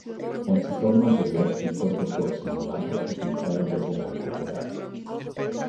En su forma anterior, el puerto fue, sin embargo, utilizado desde la antigüedad.